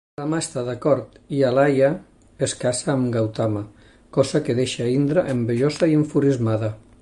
Brahma està d'acord i Ahalya es casa amb Gautama, cosa que deixa Indra envejosa i enfurismada.